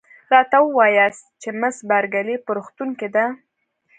راته ووایاست چي مس بارکلي په روغتون کې ده؟